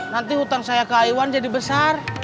nanti hutang saya ke a i satu jadi besar